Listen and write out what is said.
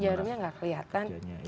jarumnya gak kelihatan